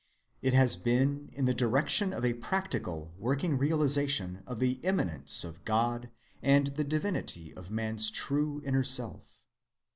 It has been in the direction of a practical, working realization of the immanence of God and the Divinity of man's true, inner self."